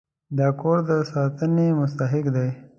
دا کور د ساتنې مستحق دی.